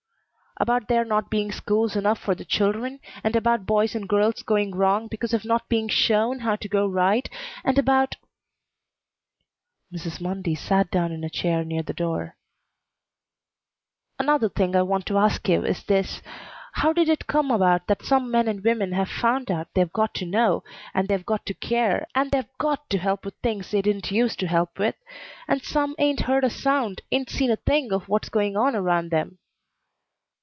"About there not being schools enough for the children, and about boys and girls going wrong because of not being shown how to go right, and about " Mrs. Mundy sat down in a chair near the door. "Another thing I want to ask you is this: How did it come about that some men and women have found out they've got to know, and they've got to care, and they've got to help with things they didn't use to help with; and some 'ain't heard a sound, 'ain't seen a thing of what's going on around them?